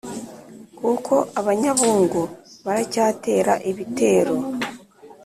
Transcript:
kuko abanyabungo baracyatera ibitero